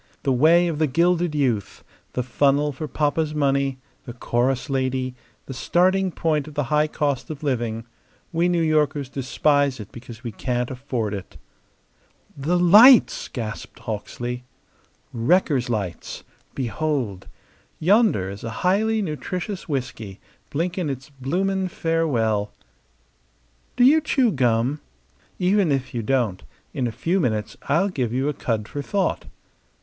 The way of the gilded youth; the funnel for papa's money; the chorus lady; the starting point of the high cost of living. We New Yorkers despise it because we can't afford it." "The lights!" gasped Hawksley. "Wreckers' lights. Behold! Yonder is a highly nutritious whisky blinking its bloomin' farewell. Do you chew gum? Even if you don't, in a few minutes I'll give you a cud for thought.